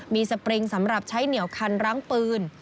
มีสปริงสำหรับใช้เหนียวคันร้างปืน